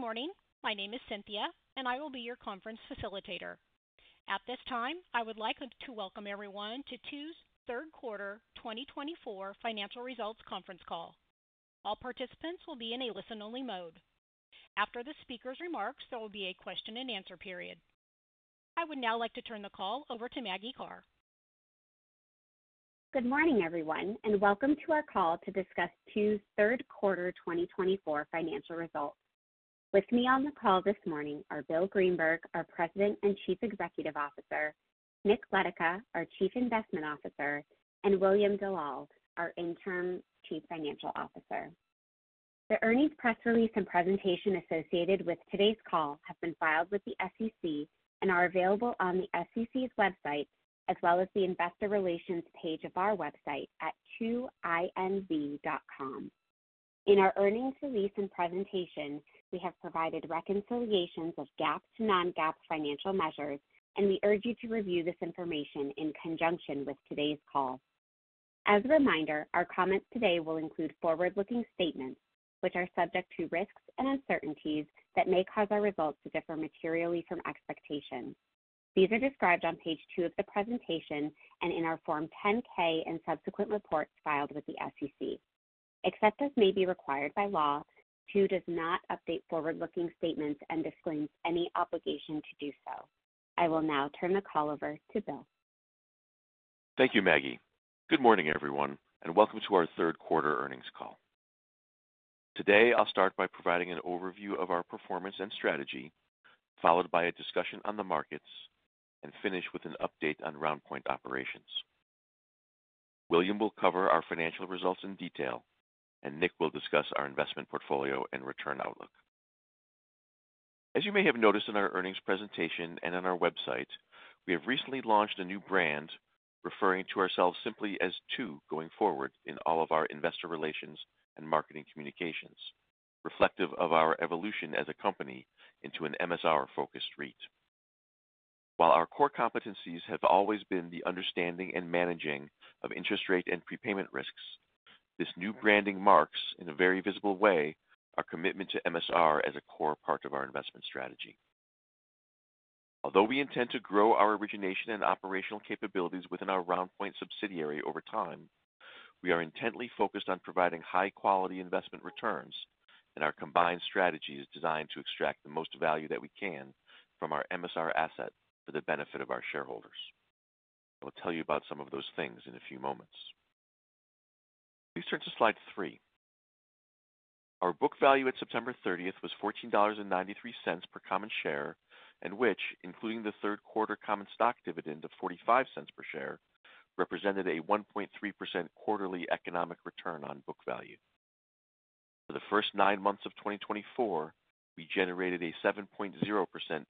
Good morning. My name is Cynthia, and I will be your conference facilitator. At this time, I would like to welcome everyone to Two's Third Quarter 2024 Financial Results Conference Call. All participants will be in a listen-only mode. After the speaker's remarks, there will be a question-and-answer period. I would now like to turn the call over to Maggie Karr. Good morning, everyone, and welcome to our call to discuss Two's Third Quarter 2024 Financial Results. With me on the call this morning are Bill Greenberg, our President and Chief Executive Officer; Nick Letica, our Chief Investment Officer; and William Dellal, our Interim Chief Financial Officer. The earnings press release, and presentation associated with today's call have been filed with the SEC and are available on the SEC's website, as well as the Investor Relations page of our website at 2inv.com. In our earnings release and presentation, we have provided reconciliations of GAAP-to-non-GAAP financial measures, and we urge you to review this information in conjunction with today's call. As a reminder, our comments today will include forward-looking statements, which are subject to risks and uncertainties that may cause our results to differ materially from expectations. These are described on page two of the presentation and in our Form 10-K and subsequent reports filed with the SEC. Except as may be required by law, Two does not update forward-looking statements and disclaims any obligation to do so. I will now turn the call over to Bill. Thank you, Maggie. Good morning, everyone, and welcome to our Third Quarter Earnings Call. Today, I'll start by providing an overview of our performance and strategy, followed by a discussion on the markets, and finish with an update on RoundPoint operations. William will cover our financial results in detail, and Nick will discuss our investment portfolio and return outlook. As you may have noticed in our earnings presentation and on our website, we have recently launched a new brand, referring to ourselves simply as Tu going forward in all of our investor relations and marketing communications, reflective of our evolution as a company into an MSR-focused REIT. While our core competencies have always been the understanding and managing of interest rate and prepayment risks, this new branding marks, in a very visible way, our commitment to MSR as a core part of our investment strategy. Although we intend to grow our origination and operational capabilities within our RoundPoint subsidiary over time, we are intently focused on providing high-quality investment returns, and our combined strategy is designed to extract the most value that we can from our MSR asset for the benefit of our shareholders. I will tell you about some of those things in a few moments. Please turn to slide three. Our book value at September 30th was $14.93 per common share, and which, including the third quarter common stock dividend of $0.45 per share, represented a 1.3% quarterly economic return on book value. For the first nine months of 2024, we generated a 7.0%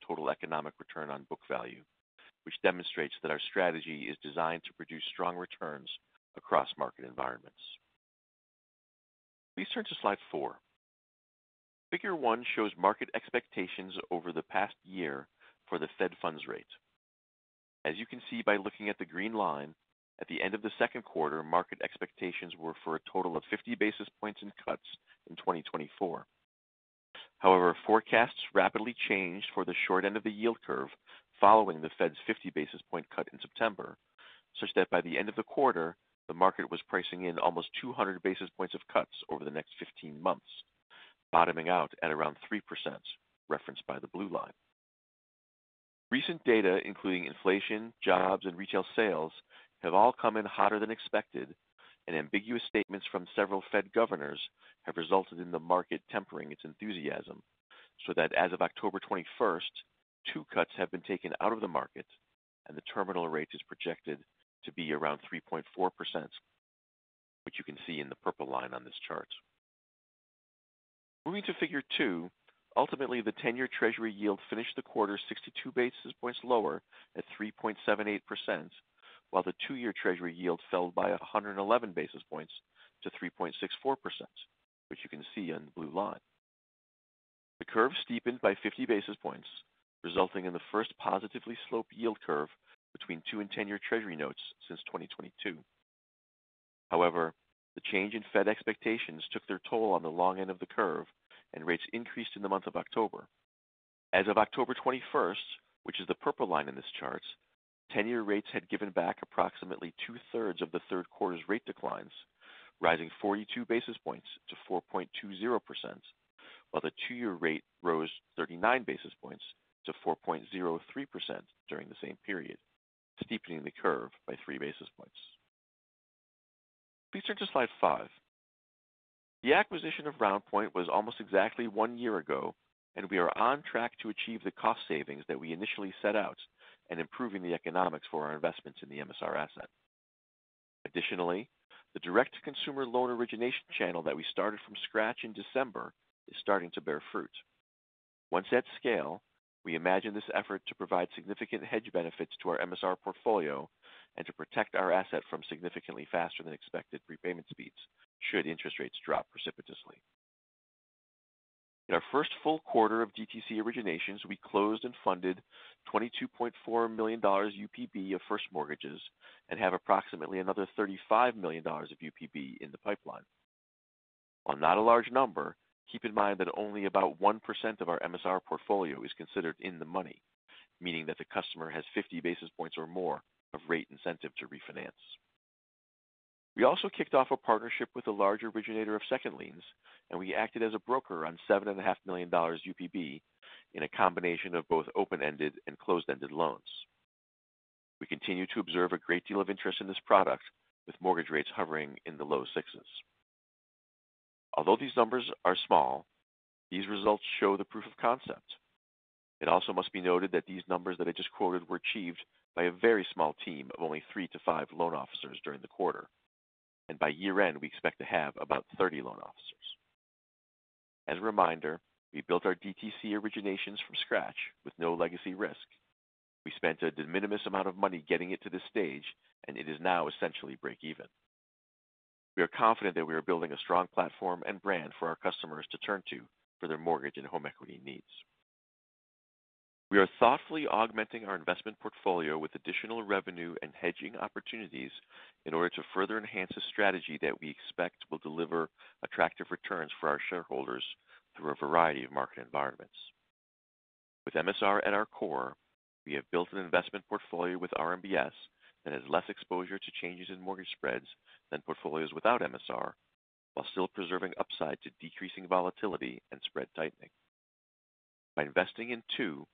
total economic return on book value, which demonstrates that our strategy is designed to produce strong returns across market environments. Please turn to slide four. Figure one shows market expectations over the past year for the Fed funds rate. As you can see by looking at the green line, at the end of the second quarter, market expectations were for a total of 50 basis points in cuts in 2024. However, forecasts rapidly changed for the short end of the yield curve following the Fed's 50 basis point cut in September, such that by the end of the quarter, the market was pricing in almost 200 basis points of cuts over the next 15 months, bottoming out at around 3%, referenced by the blue line. Recent data, including inflation, jobs, and retail sales, have all come in hotter than expected, and ambiguous statements from several Fed governors have resulted in the market tempering its enthusiasm, so that as of October 21st, two cuts have been taken out of the market, and the terminal rate is projected to be around 3.4%, which you can see in the purple line on this chart. Moving to figure two, ultimately, the 10-year Treasury yield finished the quarter 62 basis points lower at 3.78%, while the 2-year Treasury yield fell by 111 basis points to 3.64%, which you can see on the blue line. The curve steepened by 50 basis points, resulting in the first positively sloped yield curve between two and 10-year Treasury notes since 2022. However, the change in Fed expectations took their toll on the long end of the curve, and rates increased in the month of October. As of October 21st, which is the purple line in this chart, 10-year rates had given back approximately two-thirds of the third quarter's rate declines, rising 42 basis points to 4.20%, while the 2-year rate rose 39 basis points to 4.03% during the same period, steepening the curve by 3 basis points. Please turn to slide five. The acquisition of RoundPoint was almost exactly one year ago, and we are on track to achieve the cost savings that we initially set out, and improving the economics for our investments in the MSR asset. Additionally, the direct-to-consumer loan origination channel that we started from scratch in December is starting to bear fruit. Once at scale, we imagine this effort to provide significant hedge benefits to our MSR portfolio and to protect our asset from significantly faster-than-expected prepayment speeds should interest rates drop precipitously. In our first full quarter of DTC originations, we closed and funded $22.4 million UPB of first mortgages and have approximately another $35 million of UPB in the pipeline. While not a large number, keep in mind that only about 1% of our MSR portfolio is considered in the money, meaning that the customer has 50 basis points or more of rate incentive to refinance. We also kicked off a partnership with a large originator of second liens, and we acted as a broker on $7.5 million UPB in a combination of both open-ended and closed-ended loans. We continue to observe a great deal of interest in this product, with mortgage rates hovering in the low sixes. Although these numbers are small, these results show the proof of concept. It also must be noted that these numbers that I just quoted were achieved by a very small team of only three to five loan officers during the quarter, and by year-end, we expect to have about 30 loan officers. As a reminder, we built our DTC originations from scratch with no legacy risk. We spent a de minimis amount of money getting it to this stage, and it is now essentially break-even. We are confident that we are building a strong platform and brand for our customers to turn to for their mortgage and home equity needs. We are thoughtfully augmenting our investment portfolio with additional revenue and hedging opportunities in order to further enhance a strategy that we expect will deliver attractive returns for our shareholders through a variety of market environments. With MSR at our core, we have built an investment portfolio with RMBS that has less exposure to changes in mortgage spreads than portfolios without MSR, while still preserving upside to decreasing volatility and spread tightening. By investing in Tu,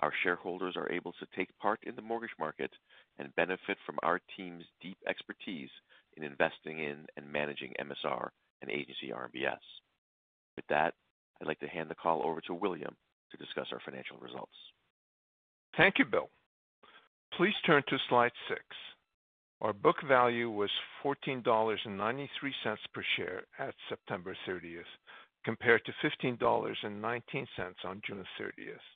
our shareholders are able to take part in the mortgage market and benefit from our team's deep expertise in investing in and managing MSR and Agency RMBS. With that, I'd like to hand the call over to William to discuss our financial results. Thank you, Bill. Please turn to slide six. Our book value was $14.93 per share at September 30th, compared to $15.19 on June 30th.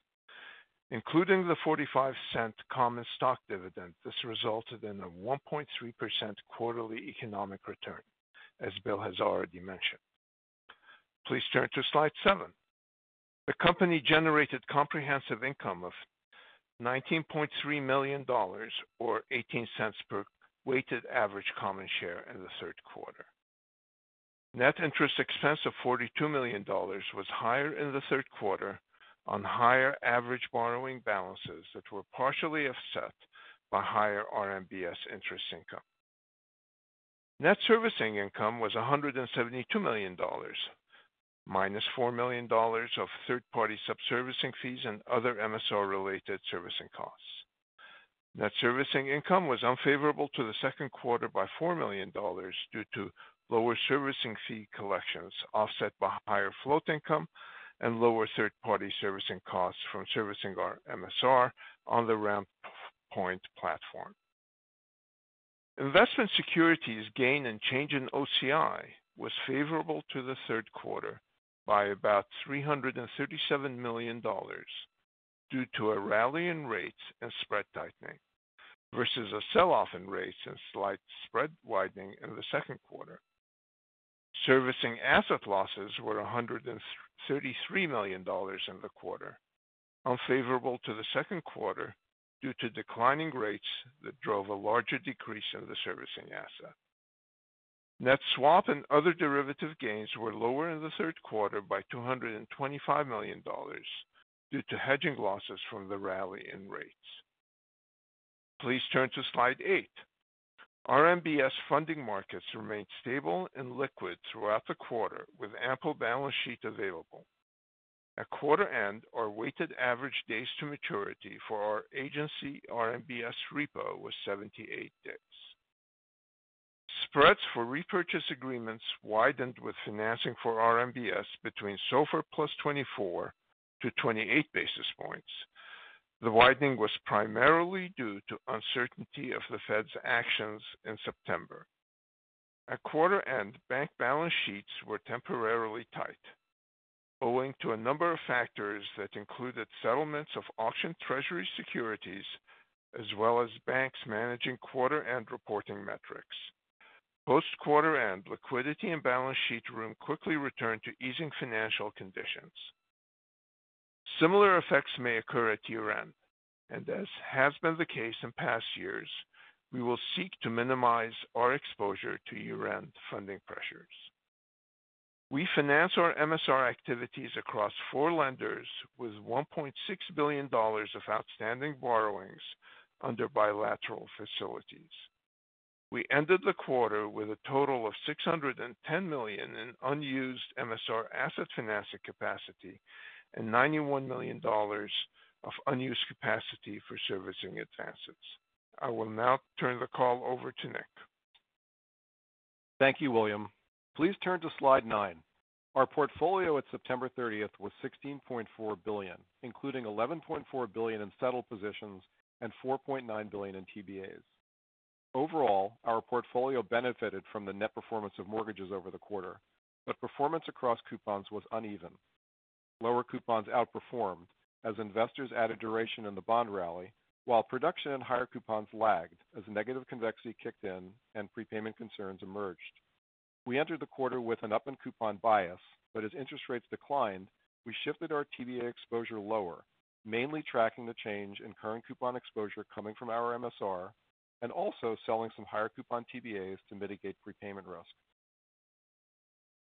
Including the $0.45 common stock dividend, this resulted in a 1.3% quarterly economic return, as Bill has already mentioned. Please turn to slide seven. The company generated comprehensive income of $19.3 million, or $0.18 per weighted average common share in the third quarter. Net interest expense of $42 million was higher in the third quarter on higher average borrowing balances that were partially offset by higher RMBS interest income. Net servicing income was $172 million, minus $4 million of third-party sub-servicing fees and other MSR-related servicing costs. Net servicing income was unfavorable to the second quarter by $4 million due to lower servicing fee collections offset by higher float income and lower third-party servicing costs from servicing our MSR on the RoundPoint platform. Investment securities gain and change in OCI was favorable to the third quarter by about $337 million due to a rally in rates and spread tightening, versus a sell-off in rates and slight spread widening in the second quarter. Servicing asset losses were $133 million in the quarter, unfavorable to the second quarter due to declining rates that drove a larger decrease in the servicing asset. Net swap and other derivative gains were lower in the third quarter by $225 million due to hedging losses from the rally in rates. Please turn to slide eight. RMBS funding markets remained stable and liquid throughout the quarter, with ample balance sheet available. At quarter end, our weighted average days to maturity for our agency RMBS repo was 78 days. Spreads for repurchase agreements widened with financing for RMBS between SOFR plus 24-28 basis points. The widening was primarily due to uncertainty of the Fed's actions in September. At quarter end, bank balance sheets were temporarily tight, owing to a number of factors that included settlements of auction Treasury securities, as well as banks managing quarter-end reporting metrics. Post-quarter end, liquidity and balance sheet room quickly returned to easing financial conditions. Similar effects may occur at year-end, and as has been the case in past years, we will seek to minimize our exposure to year-end funding pressures. We finance our MSR activities across four lenders with $1.6 billion of outstanding borrowings under bilateral facilities. We ended the quarter with a total of $610 million in unused MSR asset financing capacity and $91 million of unused capacity for servicing advances. I will now turn the call over to Nick. Thank you, William. Please turn to slide nine. Our portfolio at September 30th was $16.4 billion, including $11.4 billion in settled positions and $4.9 billion in TBAs. Overall, our portfolio benefited from the net performance of mortgages over the quarter, but performance across coupons was uneven. Lower coupons outperformed as investors added duration in the bond rally, while production in higher coupons lagged as negative convexity kicked in and prepayment concerns emerged. We entered the quarter with an up-in-coupon bias, but as interest rates declined, we shifted our TBA exposure lower, mainly tracking the change in current coupon exposure coming from our MSR and also selling some higher coupon TBAs to mitigate prepayment risk.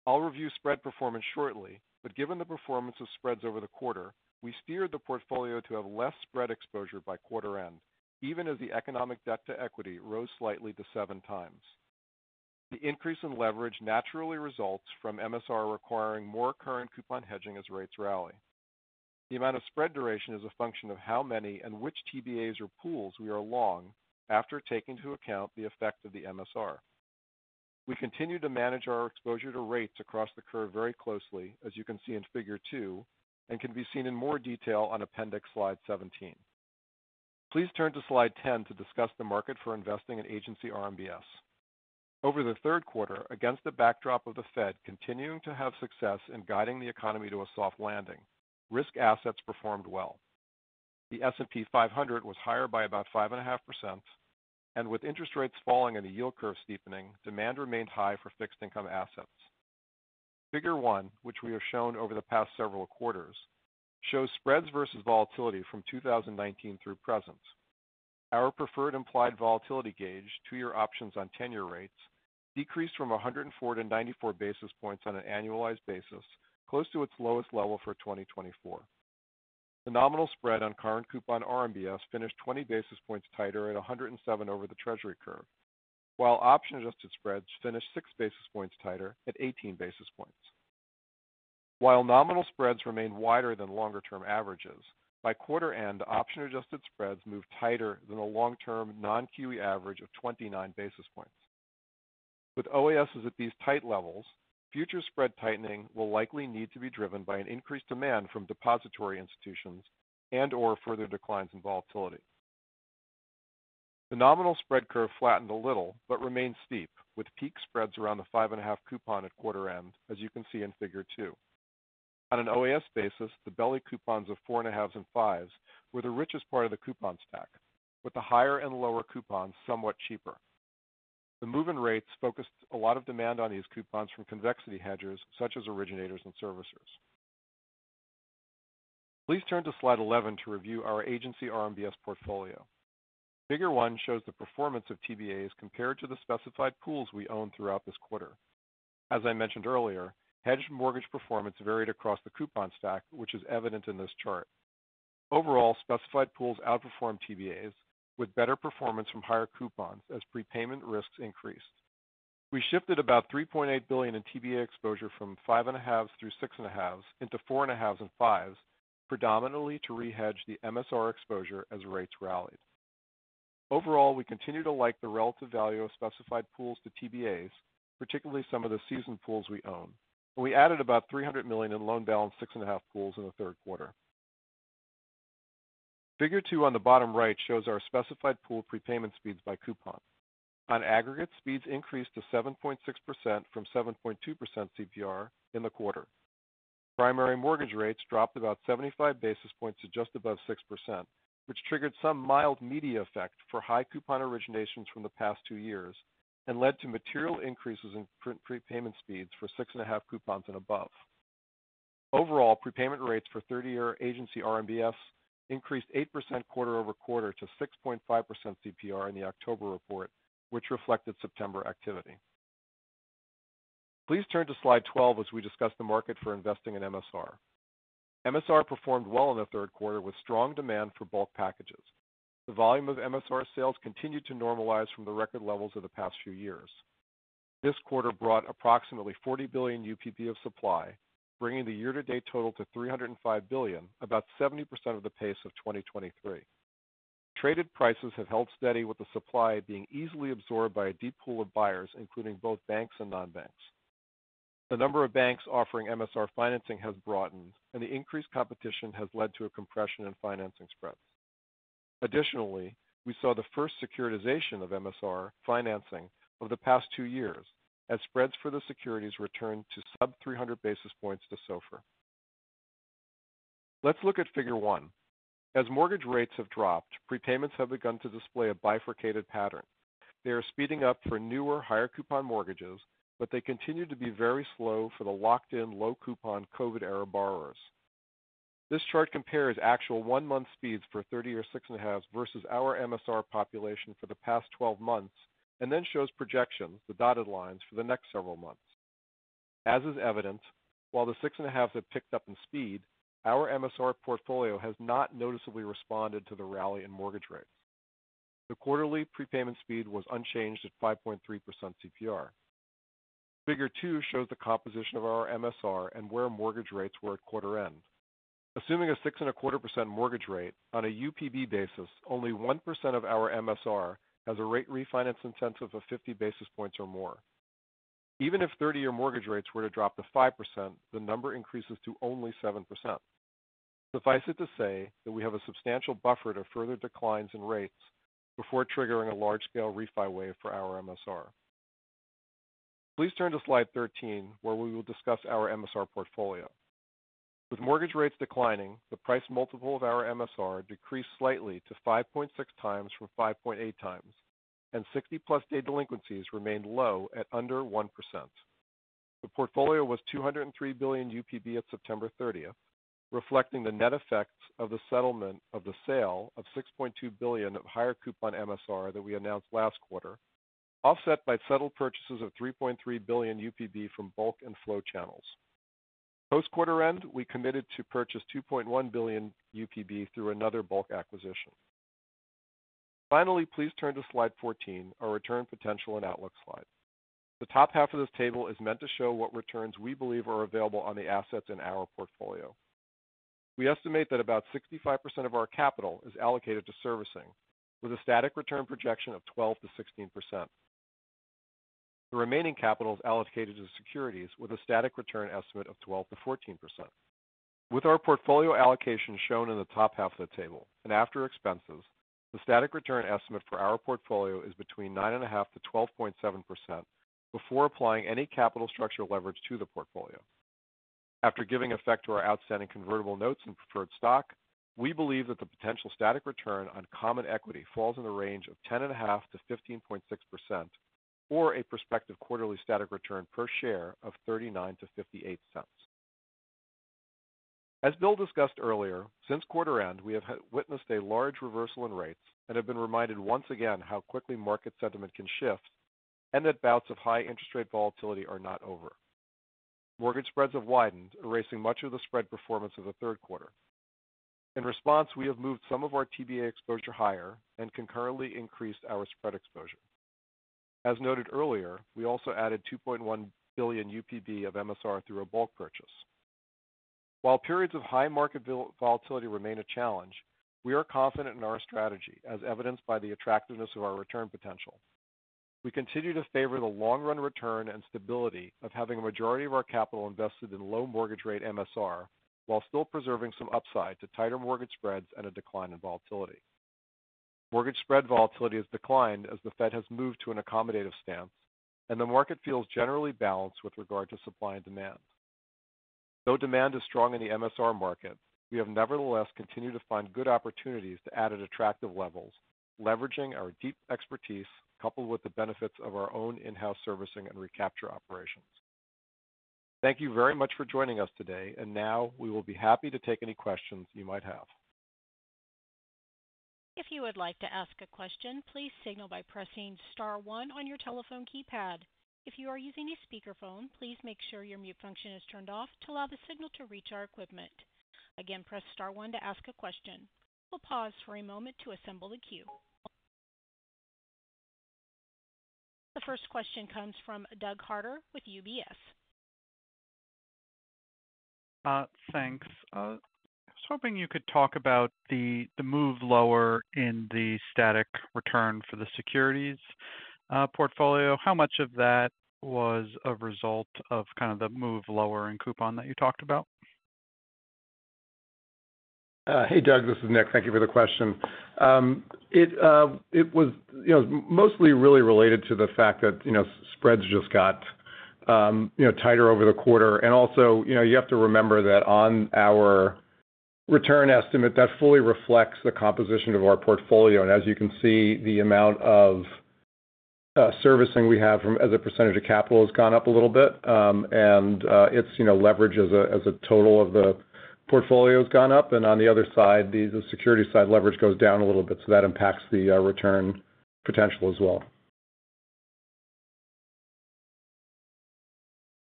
I'll review spread performance shortly, but given the performance of spreads over the quarter, we steered the portfolio to have less spread exposure by quarter end, even as the economic debt to equity rose slightly to seven times. The increase in leverage naturally results from MSR requiring more current coupon hedging as rates rally. The amount of spread duration is a function of how many and which TBAs or pools we are long after taking into account the effect of the MSR. We continue to manage our exposure to rates across the curve very closely, as you can see in figure two, and can be seen in more detail on appendix slide 17. Please turn to slide 10 to discuss the market for investing in agency RMBS. Over the third quarter, against the backdrop of the Fed continuing to have success in guiding the economy to a soft landing, risk assets performed well. The S&P 500 was higher by about 5.5%, and with interest rates falling and the yield curve steepening, demand remained high for fixed income assets. Figure one, which we have shown over the past several quarters, shows spreads versus volatility from 2019 through present. Our preferred implied volatility gauge, two-year options on 10-year rates, decreased from 104 to 94 basis points on an annualized basis, close to its lowest level for 2024. The nominal spread on current coupon RMBS finished 20 basis points tighter at 107 over the Treasury curve, while option-adjusted spreads finished 6 basis points tighter at 18 basis points. While nominal spreads remained wider than longer-term averages, by quarter end, option-adjusted spreads moved tighter than the long-term non-QE average of 29 basis points. With OASs at these tight levels, future spread tightening will likely need to be driven by an increased demand from depository institutions and/or further declines in volatility. The nominal spread curve flattened a little but remained steep, with peak spreads around the 5.5 coupon at quarter end, as you can see in figure two. On an OAS basis, the belly coupons of 4.5s and 5s were the richest part of the coupon stack, with the higher and lower coupons somewhat cheaper. The moving rates focused a lot of demand on these coupons from convexity hedgers such as originators and servicers. Please turn to slide 11 to review our agency RMBS portfolio. Figure one shows the performance of TBAs compared to the specified pools we owned throughout this quarter. As I mentioned earlier, hedged mortgage performance varied across the coupon stack, which is evident in this chart. Overall, specified pools outperformed TBAs with better performance from higher coupons as prepayment risks increased. We shifted about $3.8 billion in TBA exposure from 5.5s through 6.5s into 4.5s and 5s, predominantly to re-hedge the MSR exposure as rates rallied. Overall, we continue to like the relative value of specified pools to TBAs, particularly some of the seasoned pools we own, and we added about $300 million in low loan balance 6.5 pools in the third quarter. Figure two on the bottom right shows our specified pool prepayment speeds by coupon. On aggregate, speeds increased to 7.6% from 7.2% CPR in the quarter. Primary mortgage rates dropped about 75 basis points to just above 6%, which triggered some mild prepay effect for high coupon originations from the past two years and led to material increases in prepayment speeds for 6.5 coupons and above. Overall, prepayment rates for 30-year agency RMBS increased 8% quarter over quarter to 6.5% CPR in the October report, which reflected September activity. Please turn to slide 12 as we discuss the market for investing in MSR. MSR performed well in the third quarter with strong demand for bulk packages. The volume of MSR sales continued to normalize from the record levels of the past few years. This quarter brought approximately $40 billion UPB of supply, bringing the year-to-date total to $305 billion, about 70% of the pace of 2023. Traded prices have held steady, with the supply being easily absorbed by a deep pool of buyers, including both banks and non-banks. The number of banks offering MSR financing has broadened, and the increased competition has led to a compression in financing spreads. Additionally, we saw the first securitization of MSR financing of the past two years, as spreads for the securities returned to sub-300 basis points to SOFR. Let's look at figure one. As mortgage rates have dropped, prepayments have begun to display a bifurcated pattern. They are speeding up for newer, higher coupon mortgages, but they continue to be very slow for the locked-in, low-coupon, COVID-era borrowers. This chart compares actual one-month speeds for 30-year 6.5s versus our MSR population for the past 12 months and then shows projections, the dotted lines, for the next several months. As is evident, while the 6.5s have picked up in speed, our MSR portfolio has not noticeably responded to the rally in mortgage rates. The quarterly prepayment speed was unchanged at 5.3% CPR. Figure two shows the composition of our MSR and where mortgage rates were at quarter end. Assuming a 6.25% mortgage rate on a UPB basis, only 1% of our MSR has a rate refinance incentive of 50 basis points or more. Even if 30-year mortgage rates were to drop to 5%, the number increases to only 7%. Suffice it to say that we have a substantial buffer to further declines in rates before triggering a large-scale refi wave for our MSR. Please turn to slide 13, where we will discuss our MSR portfolio. With mortgage rates declining, the price multiple of our MSR decreased slightly to 5.6 times from 5.8 times, and 60-plus day delinquencies remained low at under 1%. The portfolio was $203 billion UPB at September 30th, reflecting the net effects of the settlement of the sale of $6.2 billion of higher coupon MSR that we announced last quarter, offset by settled purchases of $3.3 billion UPB from bulk and flow channels. Post-quarter end, we committed to purchase $2.1 billion UPB through another bulk acquisition. Finally, please turn to slide 14, our return potential and outlook slide. The top half of this table is meant to show what returns we believe are available on the assets in our portfolio. We estimate that about 65% of our capital is allocated to servicing, with a static return projection of 12%-16%. The remaining capital is allocated to securities, with a static return estimate of 12%-14%. With our portfolio allocation shown in the top half of the table and after expenses, the static return estimate for our portfolio is between 9.5%-12.7% before applying any capital structure leverage to the portfolio. After giving effect to our outstanding convertible notes and preferred stock, we believe that the potential static return on common equity falls in the range of 10.5%-15.6% or a prospective quarterly static return per share of $0.39-$0.58. As Bill discussed earlier, since quarter end, we have witnessed a large reversal in rates and have been reminded once again how quickly market sentiment can shift and that bouts of high interest rate volatility are not over. Mortgage spreads have widened, erasing much of the spread performance of the third quarter. In response, we have moved some of our TBA exposure higher and concurrently increased our spread exposure. As noted earlier, we also added $2.1 billion UPB of MSR through a bulk purchase. While periods of high market volatility remain a challenge, we are confident in our strategy, as evidenced by the attractiveness of our return potential. We continue to favor the long-run return and stability of having a majority of our capital invested in low mortgage rate MSR while still preserving some upside to tighter mortgage spreads and a decline in volatility. Mortgage spread volatility has declined as the Fed has moved to an accommodative stance, and the market feels generally balanced with regard to supply and demand. Though demand is strong in the MSR market, we have nevertheless continued to find good opportunities to add at attractive levels, leveraging our deep expertise coupled with the benefits of our own in-house servicing and recapture operations. Thank you very much for joining us today, and now we will be happy to take any questions you might have. If you would like to ask a question, please signal by pressing star one on your telephone keypad. If you are using a speakerphone, please make sure your mute function is turned off to allow the signal to reach our equipment. Again, press star one to ask a question. We'll pause for a moment to assemble the queue. The first question comes from Doug Harter with UBS. Thanks. I was hoping you could talk about the move lower in the static return for the securities portfolio. How much of that was a result of kind of the move lower in coupon that you talked about? Hey, Doug, this is Nick. Thank you for the question. It was mostly really related to the fact that spreads just got tighter over the quarter, and also, you have to remember that on our return estimate, that fully reflects the composition of our portfolio, and as you can see, the amount of servicing we have as a percentage of capital has gone up a little bit, and its leverage as a total of the portfolio has gone up, and on the other side, the security side leverage goes down a little bit, so that impacts the return potential as well.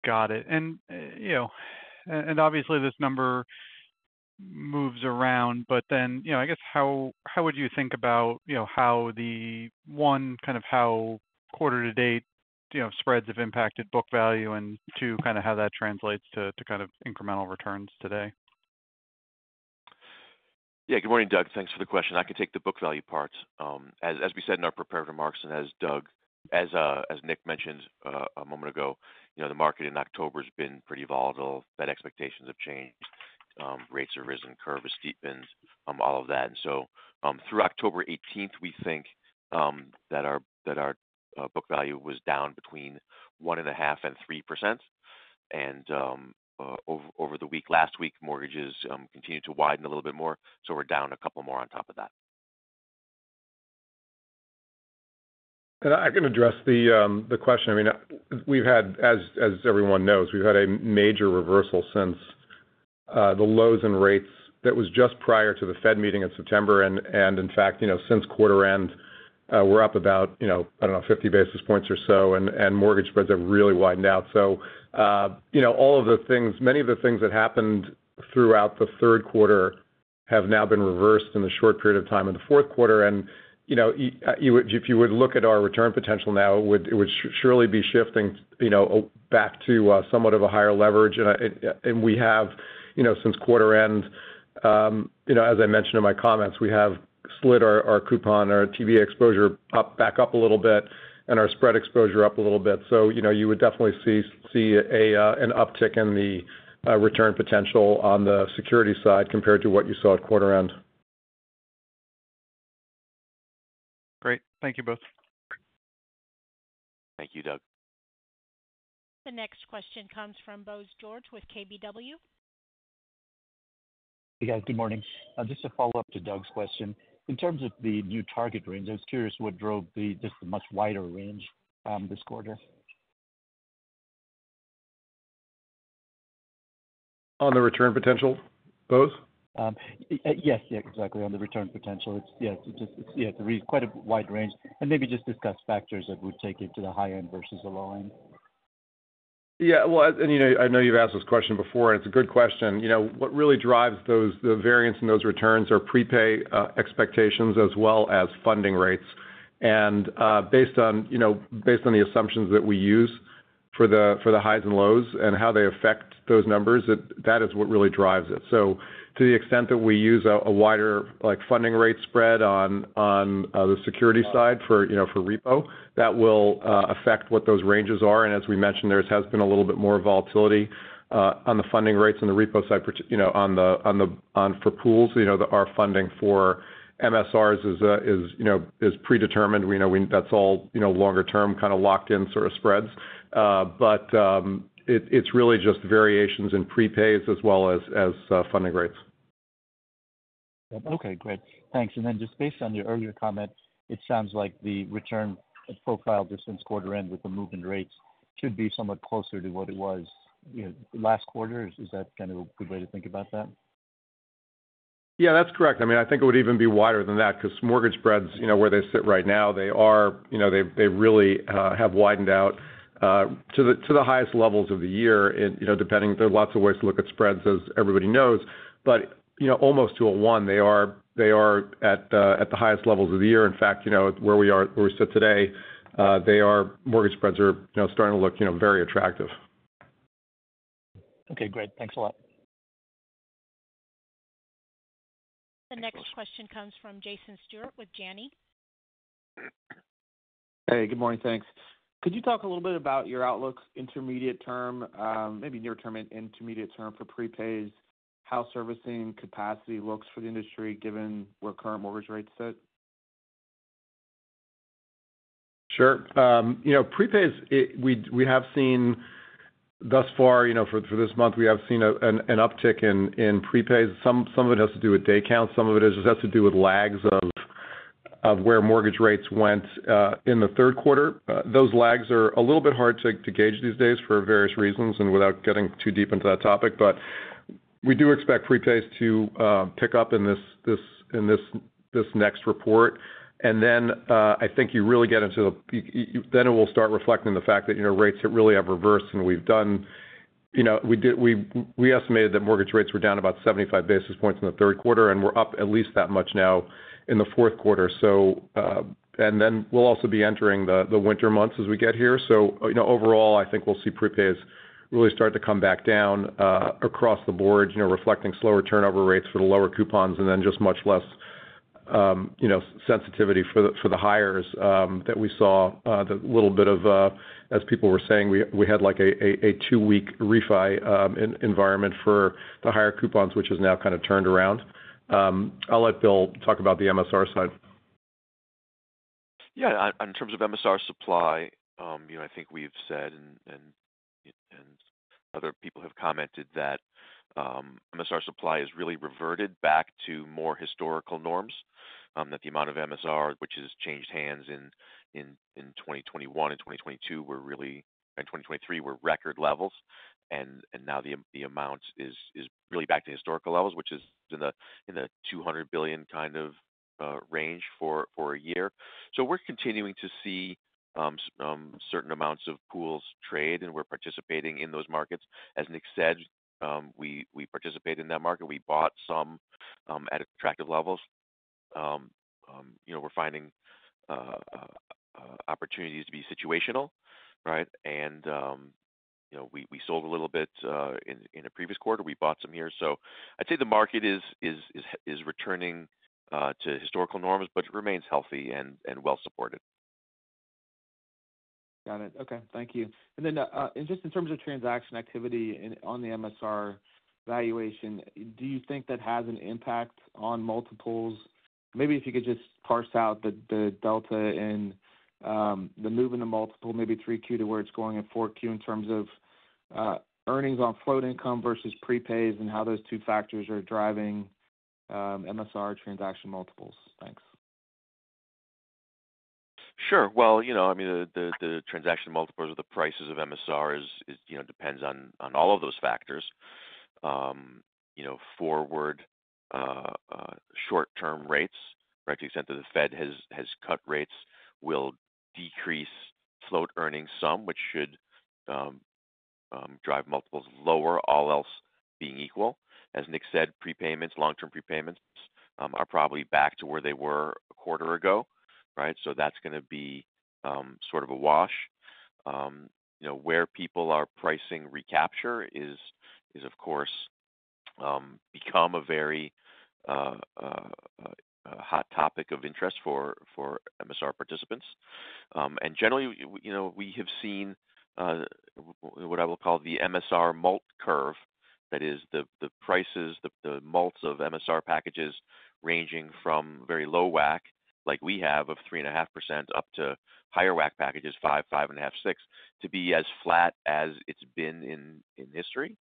Got it. And obviously, this number moves around, but then I guess how would you think about how the one, kind of how quarter to date spreads have impacted book value, and two, kind of how that translates to kind of incremental returns today? Yeah. Good morning, Doug. Thanks for the question. I can take the book value part. As we said in our prepared remarks and as Nick mentioned a moment ago, the market in October has been pretty volatile. Fed expectations have changed. Rates have risen, curve has steepened, all of that. And so through October 18th, we think that our book value was down between 1.5% and 3%. And over the week, last week, mortgages continued to widen a little bit more, so we're down a couple more on top of that. I can address the question. I mean, as everyone knows, we've had a major reversal since the lows in rates that was just prior to the Fed meeting in September. In fact, since quarter end, we're up about, I don't know, 50 basis points or so, and mortgage spreads have really widened out. All of the things, many of the things that happened throughout the third quarter have now been reversed in the short period of time in the fourth quarter. If you would look at our return potential now, it would surely be shifting back to somewhat of a higher leverage. We have, since quarter end, as I mentioned in my comments, we have slid our coupon, our TBA exposure back up a little bit and our spread exposure up a little bit. So you would definitely see an uptick in the return potential on the security side compared to what you saw at quarter end. Great. Thank you both. Thank you, Doug. The next question comes from Bose George with KBW. Hey, guys. Good morning. Just to follow up to Doug's question, in terms of the new target range, I was curious what drove just the much wider range this quarter. On the return potential, both? Yes, exactly. On the return potential, yes. It's quite a wide range. And maybe just discuss factors that would take it to the high end versus the low end. Yeah. Well, and I know you've asked this question before, and it's a good question. What really drives the variance in those returns are prepay expectations as well as funding rates. And based on the assumptions that we use for the highs and lows and how they affect those numbers, that is what really drives it. So to the extent that we use a wider funding rate spread on the security side for repo, that will affect what those ranges are. And as we mentioned, there has been a little bit more volatility on the funding rates on the repo side for pools. Our funding for MSRs is predetermined. That's all longer-term kind of locked-in sort of spreads. But it's really just variations in prepays as well as funding rates. Okay. Great. Thanks. And then just based on your earlier comment, it sounds like the return profile just since quarter end with the moving rates should be somewhat closer to what it was last quarter. Is that kind of a good way to think about that? Yeah, that's correct. I mean, I think it would even be wider than that because mortgage spreads, where they sit right now, they really have widened out to the highest levels of the year. There are lots of ways to look at spreads, as everybody knows. But almost to a one, they are at the highest levels of the year. In fact, where we sit today, mortgage spreads are starting to look very attractive. Okay. Great. Thanks a lot. The next question comes from Jason Stewart with Janney. Hey, good morning. Thanks. Could you talk a little bit about your outlook intermediate term, maybe near-term intermediate term for prepays, how servicing capacity looks for the industry given where current mortgage rates sit? Sure. Prepays, we have seen thus far for this month, we have seen an uptick in prepays. Some of it has to do with day counts. Some of it has to do with lags of where mortgage rates went in the third quarter. Those lags are a little bit hard to gauge these days for various reasons and without getting too deep into that topic. But we do expect prepays to pick up in this next report. Then I think you really get into the then it will start reflecting the fact that rates have really reversed. We estimated that mortgage rates were down about 75 basis points in the third quarter, and we're up at least that much now in the fourth quarter. Then we'll also be entering the winter months as we get here. So overall, I think we'll see prepays really start to come back down across the board, reflecting slower turnover rates for the lower coupons and then just much less sensitivity for the highers that we saw. The little bit of, as people were saying, we had like a two-week refi environment for the higher coupons, which has now kind of turned around. I'll let Bill talk about the MSR side. Yeah. In terms of MSR supply, I think we've said and other people have commented that MSR supply has really reverted back to more historical norms, that the amount of MSR, which has changed hands in 2021 and 2022, were really in 2023 were record levels. And now the amount is really back to historical levels, which is in the $200 billion kind of range for a year. So we're continuing to see certain amounts of pools trade, and we're participating in those markets. As Nick said, we participate in that market. We bought some at attractive levels. We're finding opportunities to be situational, right? And we sold a little bit in a previous quarter. We bought some here. So I'd say the market is returning to historical norms, but it remains healthy and well-supported. Got it. Okay. Thank you and then just in terms of transaction activity on the MSR valuation, do you think that has an impact on multiples? Maybe if you could just parse out the delta in the moving the multiple, maybe 3Q to where it's going at 4Q in terms of earnings on float income versus prepays and how those two factors are driving MSR transaction multiples. Thanks. Sure. Well, I mean, the transaction multiples or the prices of MSR depend on all of those factors: forward short-term rates, right? To the extent that the Fed has cut rates, will decrease float earnings some, which should drive multiples lower, all else being equal. As Nick said, prepayments, long-term prepayments are probably back to where they were a quarter ago, right? So that's going to be sort of a wash. Where people are pricing recapture is, of course, become a very hot topic of interest for MSR participants. And generally, we have seen what I will call the MSR multiple curve, that is the prices, the multiples of MSR packages ranging from very low WAC, like we have, of 3.5% up to higher WAC packages, 5%, 5.5%, 6%, to be as flat as it's been in history,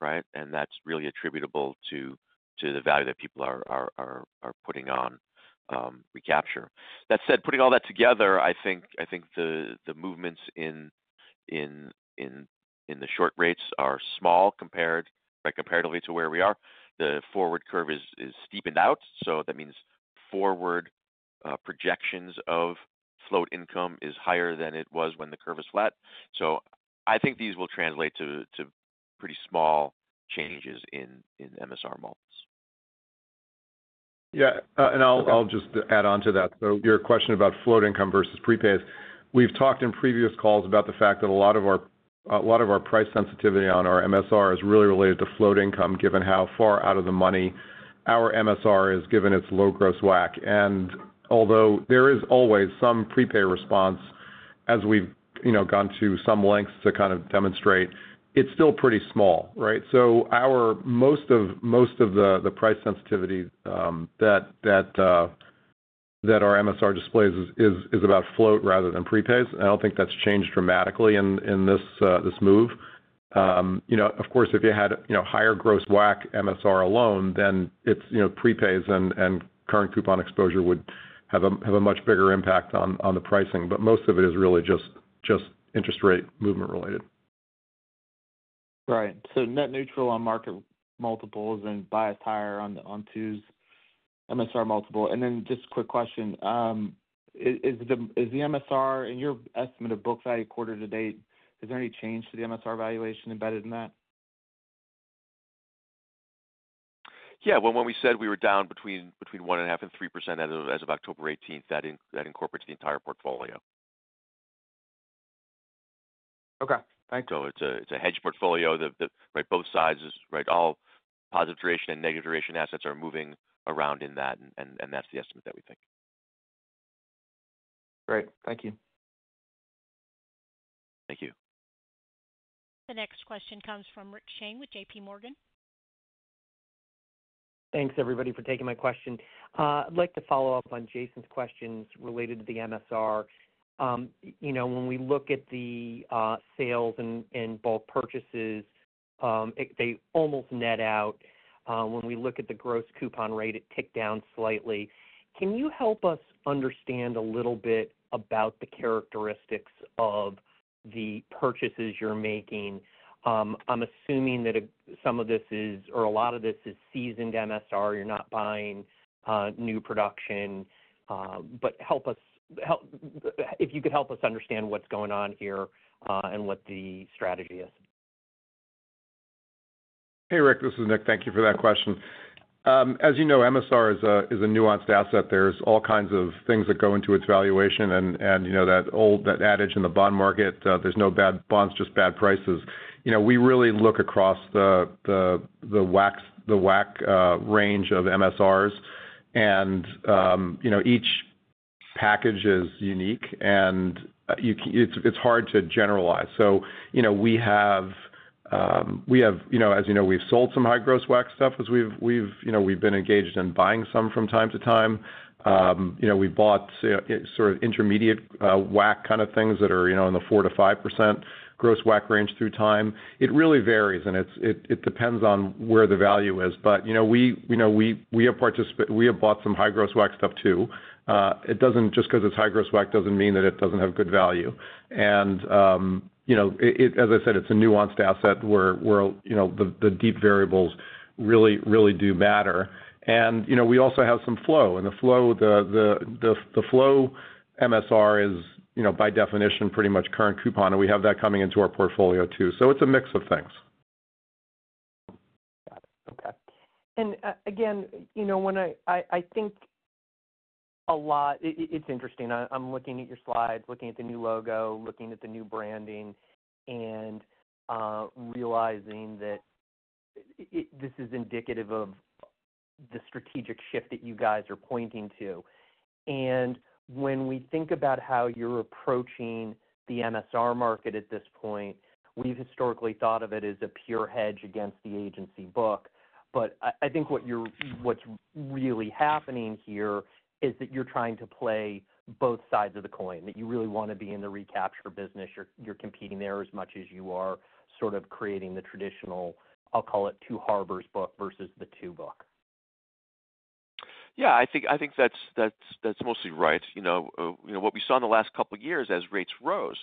right? And that's really attributable to the value that people are putting on recapture. That said, putting all that together, I think the movements in the short rates are small comparatively to where we are. The forward curve is steepened out, so that means forward projections of float income is higher than it was when the curve is flat. So I think these will translate to pretty small changes in MSR values. Yeah, and I'll just add on to that so your question about float income versus prepays, we've talked in previous calls about the fact that a lot of our price sensitivity on our MSR is really related to float income, given how far out of the money our MSR is given its low gross WAC, and although there is always some prepay response, as we've gone to some lengths to kind of demonstrate, it's still pretty small, right, so most of the price sensitivity that our MSR displays is about float rather than prepays, and I don't think that's changed dramatically in this move. Of course, if you had higher gross WAC MSR alone, then prepays and current coupon exposure would have a much bigger impact on the pricing, but most of it is really just interest rate movement related. Right. So net neutral on market multiples and biased higher on Two's MSR multiple. And then just a quick question. Is the MSR in your estimate of book value quarter-to-date, is there any change to the MSR valuation embedded in that? Yeah. Well, when we said we were down between 1.5% and 3% as of October 18th, that incorporates the entire portfolio. Okay. Thanks. So it's a hedge portfolio. Both sides, right? All positive duration and negative duration assets are moving around in that, and that's the estimate that we think. Great. Thank you. Thank you. The next question comes from Rick Shane with JPMorgan. Thanks, everybody, for taking my question. I'd like to follow up on Jason's questions related to the MSR. When we look at the sales and bulk purchases, they almost net out. When we look at the gross coupon rate, it ticked down slightly. Can you help us understand a little bit about the characteristics of the purchases you're making? I'm assuming that some of this is or a lot of this is seasoned MSR. You're not buying new production. But if you could help us understand what's going on here and what the strategy is. Hey, Rick. This is Nick. Thank you for that question. As you know, MSR is a nuanced asset. There's all kinds of things that go into its valuation. And that old adage in the bond market, there's no bad bonds, just bad prices. We really look across the WAC range of MSRs, and each package is unique, and it's hard to generalize. So we have, as you know, we've sold some high gross WAC stuff because we've been engaged in buying some from time to time. We bought sort of intermediate WAC kind of things that are in the 4%-5% gross WAC range through time. It really varies, and it depends on where the value is. But we have bought some high gross WAC stuff too. Just because it's high gross WAC doesn't mean that it doesn't have good value. As I said, it's a nuanced asset where the deep variables really do matter. We also have some flow. The flow MSR is, by definition, pretty much current coupon, and we have that coming into our portfolio too. It's a mix of things. Got it. Okay. And again, I think a lot it's interesting. I'm looking at your slides, looking at the new logo, looking at the new branding, and realizing that this is indicative of the strategic shift that you guys are pointing to. And when we think about how you're approaching the MSR market at this point, we've historically thought of it as a pure hedge against the agency book. But I think what's really happening here is that you're trying to play both sides of the coin, that you really want to be in the recapture business. You're competing there as much as you are sort of creating the traditional, I'll call it, Two Harbors book versus the Tu book. Yeah. I think that's mostly right. What we saw in the last couple of years as rates rose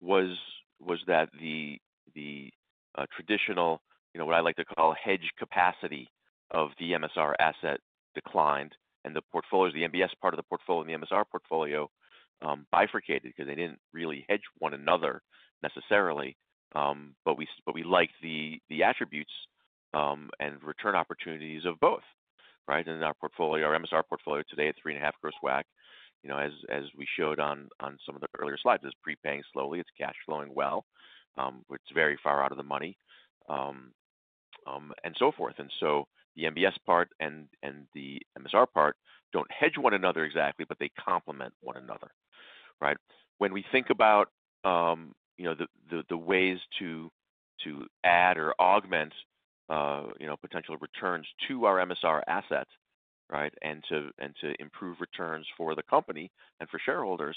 was that the traditional, what I like to call, hedge capacity of the MSR asset declined, and the RMBS part of the portfolio and the MSR portfolio bifurcated because they didn't really hedge one another necessarily. But we liked the attributes and return opportunities of both, right? And our MSR portfolio today at 3.5 gross WAC, as we showed on some of the earlier slides, is prepaying slowly. It's cash flowing well. It's very far out of the money and so forth. And so the RMBS part and the MSR part don't hedge one another exactly, but they complement one another, right? When we think about the ways to add or augment potential returns to our MSR assets, right, and to improve returns for the company and for shareholders,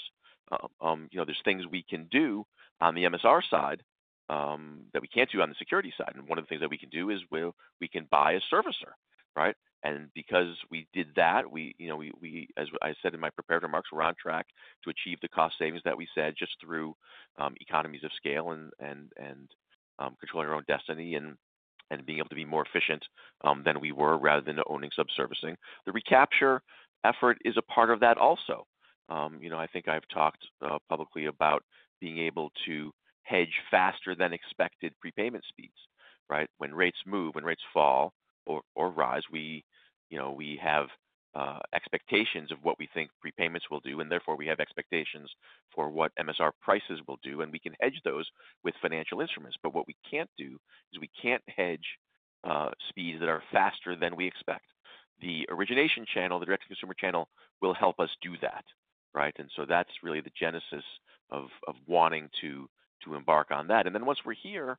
there's things we can do on the MSR side that we can't do on the security side. And one of the things that we can do is we can buy a servicer, right? And because we did that, as I said in my prepared remarks, we're on track to achieve the cost savings that we said just through economies of scale and controlling our own destiny and being able to be more efficient than we were rather than owning sub-servicing. The recapture effort is a part of that also. I think I've talked publicly about being able to hedge faster-than-expected prepayment speeds, right? When rates move, when rates fall or rise, we have expectations of what we think prepayments will do, and therefore we have expectations for what MSR prices will do, and we can hedge those with financial instruments. But what we can't do is we can't hedge speeds that are faster than we expect. The origination channel, the direct-to-consumer channel will help us do that, right? And so that's really the genesis of wanting to embark on that. And then once we're here,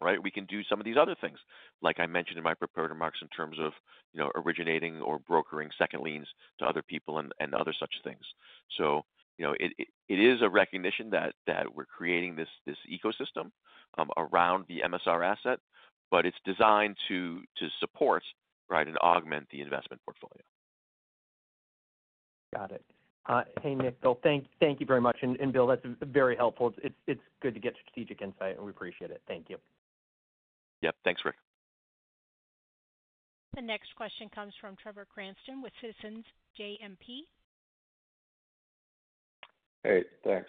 right, we can do some of these other things, like I mentioned in my prepared remarks in terms of originating or brokering second liens to other people and other such things. So it is a recognition that we're creating this ecosystem around the MSR asset, but it's designed to support, right, and augment the investment portfolio. Got it. Hey, Nick, Bill, thank you very much, and Bill, that's very helpful. It's good to get strategic insight, and we appreciate it. Thank you. Yep. Thanks, Rick. The next question comes from Trevor Cranston with Citizens JMP. Hey, thanks.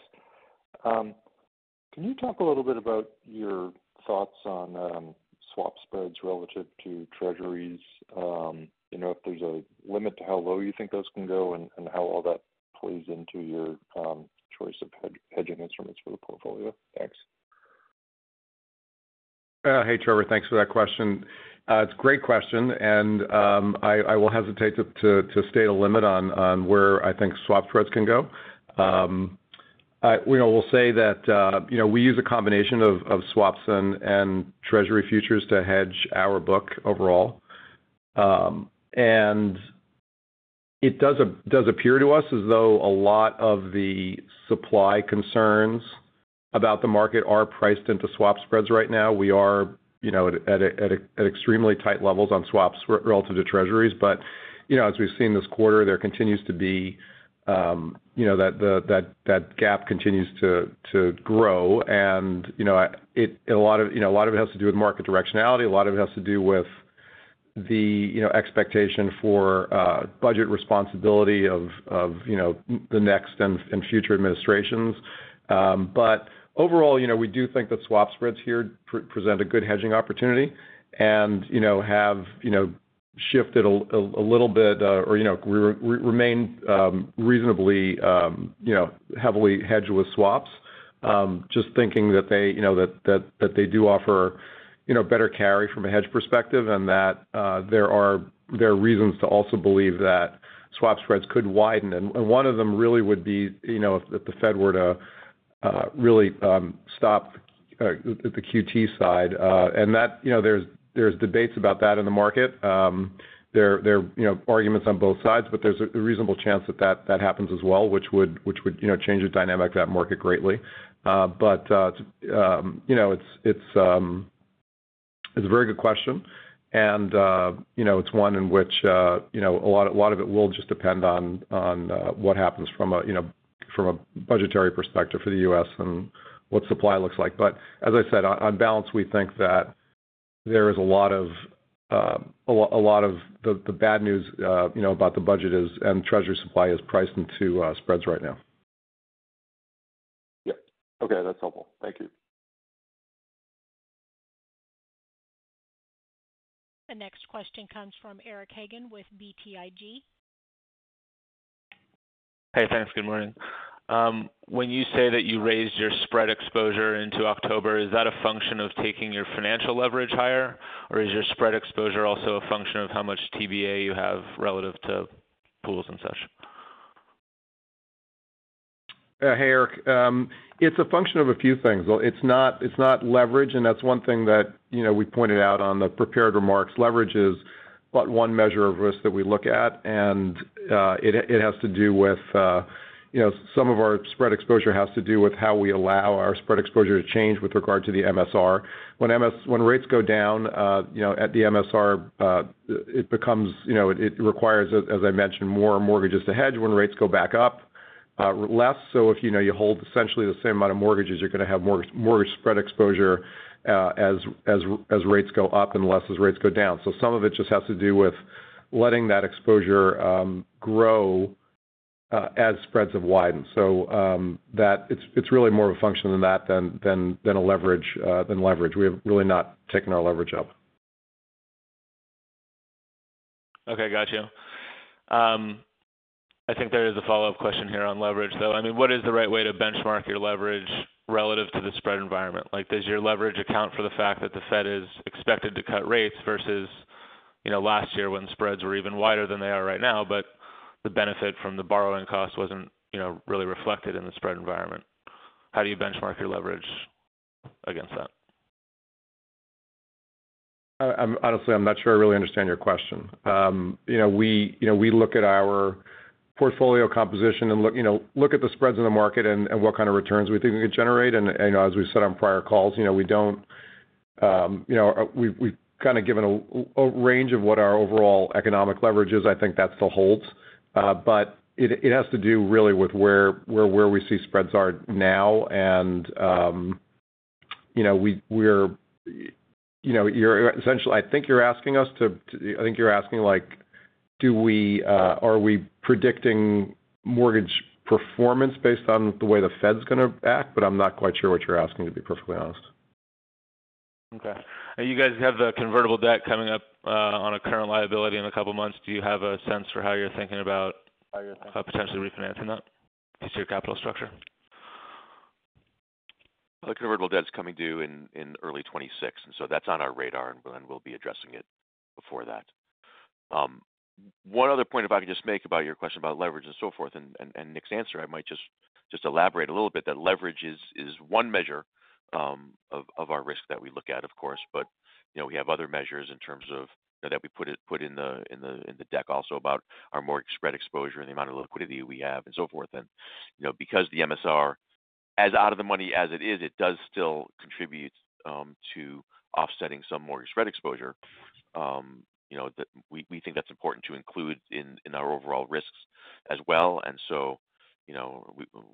Can you talk a little bit about your thoughts on swap spreads relative to Treasuries? If there's a limit to how low you think those can go and how all that plays into your choice of hedging instruments for the portfolio? Thanks. Hey, Trevor, thanks for that question. It's a great question, and I will hesitate to state a limit on where I think swap spreads can go. We'll say that we use a combination of swaps and treasury futures to hedge our book overall. It does appear to us as though a lot of the supply concerns about the market are priced into swap spreads right now. We are at extremely tight levels on swaps relative to treasuries. As we've seen this quarter, that gap continues to grow. A lot of it has to do with market directionality. A lot of it has to do with the expectation for budget responsibility of the next and future administrations. But overall, we do think that swap spreads here present a good hedging opportunity and have shifted a little bit or remain reasonably heavily hedged with swaps, just thinking that they do offer better carry from a hedge perspective and that there are reasons to also believe that swap spreads could widen. And one of them really would be if the Fed were to really stop the QT side. And there's debates about that in the market. There are arguments on both sides, but there's a reasonable chance that that happens as well, which would change the dynamic of that market greatly. But it's a very good question, and it's one in which a lot of it will just depend on what happens from a budgetary perspective for the U.S. and what supply looks like. But as I said, on balance, we think that there is a lot of the bad news about the budget and treasury supply is priced into spreads right now. Yep. Okay. That's helpful. Thank you. The next question comes from Eric Hagen with BTIG. Hey, thanks. Good morning. When you say that you raised your spread exposure into October, is that a function of taking your financial leverage higher, or is your spread exposure also a function of how much TBA you have relative to pools and such? Hey, Eric. It's a function of a few things. It's not leverage, and that's one thing that we pointed out on the prepared remarks. Leverage is but one measure of risk that we look at, and it has to do with some of our spread exposure with how we allow our spread exposure to change with regard to the MSR. When rates go down at the MSR, it requires, as I mentioned, more mortgages to hedge. When rates go back up, less. So if you hold essentially the same amount of mortgages, you're going to have more mortgage spread exposure as rates go up and less as rates go down. So some of it just has to do with letting that exposure grow as spreads have widened. So it's really more of a function than that than leverage. We have really not taken our leverage up. Okay. Gotcha. I think there is a follow-up question here on leverage, though. I mean, what is the right way to benchmark your leverage relative to the spread environment? Does your leverage account for the fact that the Fed is expected to cut rates versus last year when spreads were even wider than they are right now, but the benefit from the borrowing cost wasn't really reflected in the spread environment? How do you benchmark your leverage against that? Honestly, I'm not sure I really understand your question. We look at our portfolio composition and look at the spreads in the market and what kind of returns we think we could generate. And as we've said on prior calls, we don't. We've kind of given a range of what our overall economic leverage is. I think that still holds. But it has to do really with where we see spreads are now. And we're essentially. I think you're asking like, are we predicting mortgage performance based on the way the Fed's going to act? But I'm not quite sure what you're asking, to be perfectly honest. Okay. And you guys have the convertible debt coming up on a current liability in a couple of months. Do you have a sense for how you're thinking about? How you're thinking. Potentially refinancing that? Future capital structure? The convertible debt is coming due in early 2026, and so that's on our radar, and we'll be addressing it before that. One other point, if I could just make about your question about leverage and so forth and Nick's answer, I might just elaborate a little bit that leverage is one measure of our risk that we look at, of course, but we have other measures in terms of that we put in the deck also about our mortgage spread exposure and the amount of liquidity we have and so forth, and because the MSR, as out of the money as it is, it does still contribute to offsetting some mortgage spread exposure. We think that's important to include in our overall risks as well, and so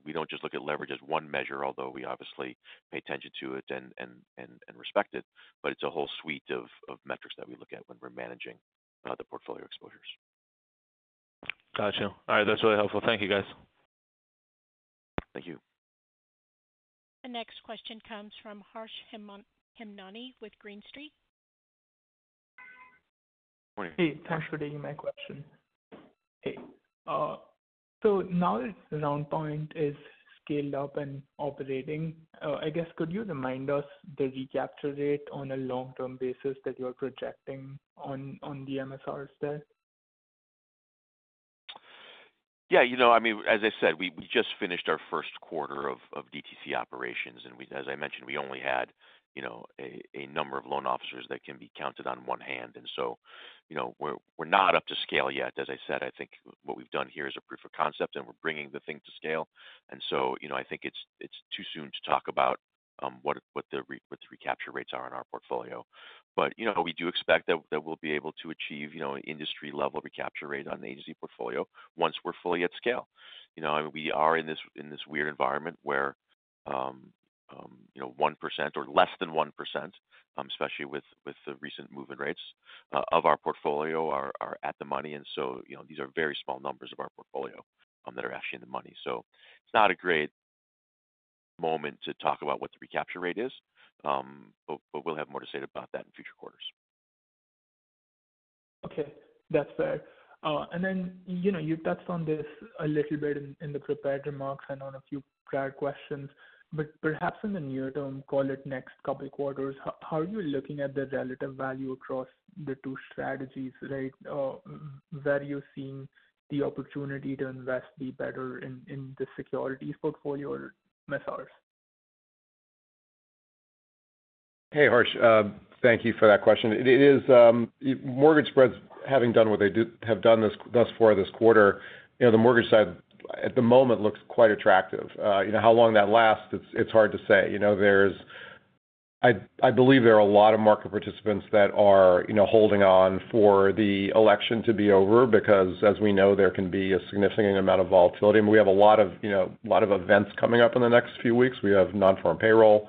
we don't just look at leverage as one measure, although we obviously pay attention to it and respect it. But it's a whole suite of metrics that we look at when we're managing the portfolio exposures. Gotcha. All right. That's really helpful. Thank you, guys. Thank you. The next question comes from Harsh Hemnani with Green Street. Hey, thanks for taking my question. Hey. So now that RoundPoint is scaled up and operating, I guess, could you remind us the recapture rate on a long-term basis that you are projecting on the MSRs there? Yeah. I mean, as I said, we just finished our first quarter of DTC operations. And as I mentioned, we only had a number of loan officers that can be counted on one hand. And so we're not up to scale yet. As I said, I think what we've done here is a proof of concept, and we're bringing the thing to scale. And so I think it's too soon to talk about what the recapture rates are on our portfolio. But we do expect that we'll be able to achieve an industry-level recapture rate on the agency portfolio once we're fully at scale. I mean, we are in this weird environment where 1% or less than 1%, especially with the recent mortgage rates of our portfolio, are at the money. And so these are very small numbers of our portfolio that are actually in the money. So it's not a great moment to talk about what the recapture rate is, but we'll have more to say about that in future quarters. Okay. That's fair. And then you touched on this a little bit in the prepared remarks and on a few prior questions. But perhaps in the near term, call it next couple of quarters, how are you looking at the relative value across the two strategies, right? Where are you seeing the opportunity to invest better in the securities portfolio or MSRs? Hey, Harsh. Thank you for that question. Mortgage spreads, having done what they have done thus far this quarter, the mortgage side at the moment looks quite attractive. How long that lasts, it's hard to say. I believe there are a lot of market participants that are holding on for the election to be over because, as we know, there can be a significant amount of volatility. And we have a lot of events coming up in the next few weeks. We have nonfarm payroll.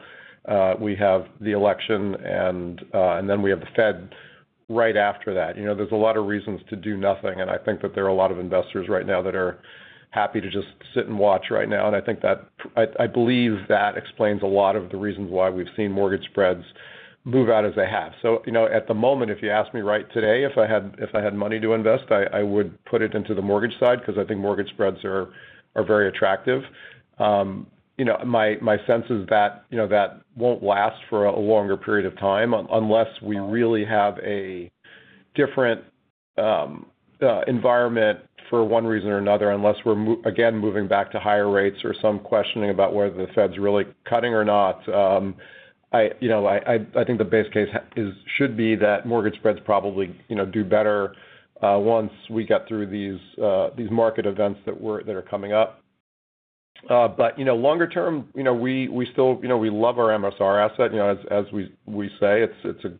We have the election, and then we have the Fed right after that. There's a lot of reasons to do nothing. And I think that there are a lot of investors right now that are happy to just sit and watch right now. I think that I believe that explains a lot of the reasons why we've seen mortgage spreads move out as they have. So at the moment, if you asked me right today, if I had money to invest, I would put it into the mortgage side because I think mortgage spreads are very attractive. My sense is that that won't last for a longer period of time unless we really have a different environment for one reason or another, unless we're, again, moving back to higher rates or some questioning about whether the Fed's really cutting or not. I think the base case should be that mortgage spreads probably do better once we get through these market events that are coming up. But longer term, we still love our MSR asset, as we say. It's a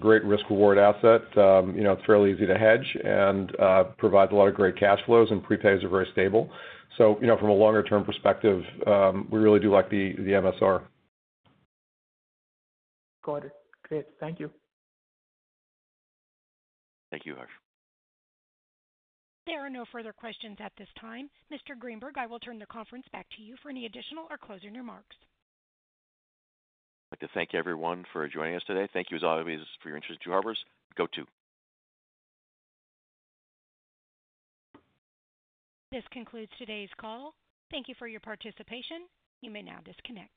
great risk-reward asset. It's fairly easy to hedge and provides a lot of great cash flows, and prepays are very stable. So from a longer-term perspective, we really do like the MSR. Got it. Great. Thank you. Thank you, Harsh. There are no further questions at this time. Mr. Greenberg, I will turn the conference back to you for any additional or closing remarks. I'd like to thank everyone for joining us today. Thank you as always for your interest in Two Harbors. Uncertain This concludes today's call. Thank you for your participation. You may now disconnect.